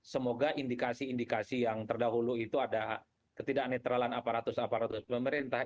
semoga indikasi indikasi yang terdahulu itu ada ketidak netralan aparatus aparatus pemerintah